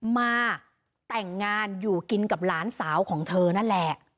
มาแต่งงานอยู่กินกับหลานสาวของเธอนั่นแหละ